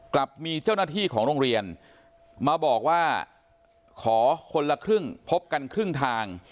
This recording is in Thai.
กลับมีเจ้าหน้าที่ของโรงเรียนมาบอกว่าขอคนละครึ่งพบกันครึ่งทาง